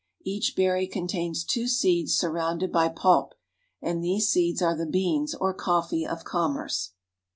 Each berry contains two seeds surrounded by pulp, and these seeds are the beans or coffee of commerce.